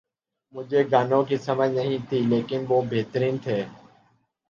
مجھے گانوں کی سمجھ نہیں تھی لیکن وہ بہترین تھے